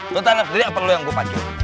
lu tanem sendiri apa lu yang gua pacul